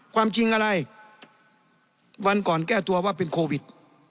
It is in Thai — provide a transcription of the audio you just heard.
ความจริงอะไรวันก่อนแก้ตัวว่าเป็นโควิด